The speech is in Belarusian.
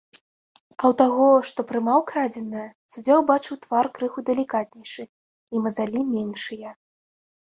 А ў таго, што прымаў крадзенае, суддзя ўбачыў твар крыху далікатнейшы і мазалі меншыя.